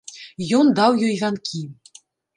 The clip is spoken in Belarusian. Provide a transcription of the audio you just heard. Ён даў ёй вянкі.